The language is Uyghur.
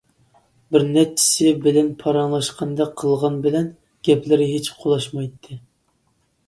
بىر نەچچىسى بىلەن پاراڭلاشقاندەك قىلغان بىلەن گەپلىرى ھېچ قولاشمايتتى.